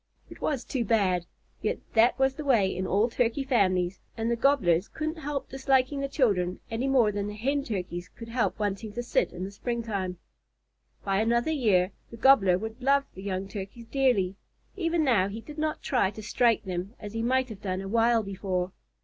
It was too bad; yet that was the way in all Turkey families, and the Gobblers couldn't help disliking the children any more than the Hen Turkeys could help wanting to sit in the springtime. By another year the Gobbler would love the young Turkeys dearly. Even now he did not try to strike them, as he might have done a while before.